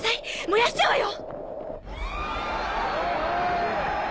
燃やしちゃうわよ！